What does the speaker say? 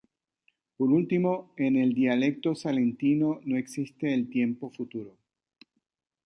Por último, en el dialecto salentino no existe el tiempo futuro.